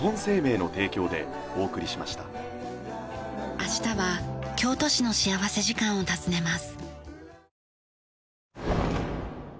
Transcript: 明日は京都市の幸福時間を訪ねます。